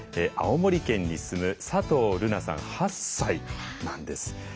青森県に住む佐藤瑠南さん８歳なんです。